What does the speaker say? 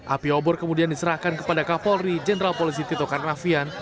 api obor kemudian diserahkan kepada kapolri jenderal polisi tito karnavian